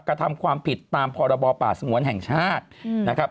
กระทำความผิดตามพรบป่าสงวนแห่งชาตินะครับ